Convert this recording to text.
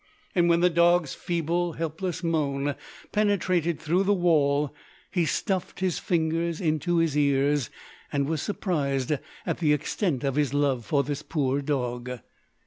And when the dog"s feeble, helpless moan penetrated through the wall, he stuffed his fingers into his ears, and was surprised at the extent of his love for this poor dog.